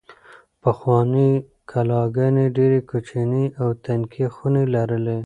پخوانۍ کلاګانې ډېرې کوچنۍ او تنګې خونې لرلې.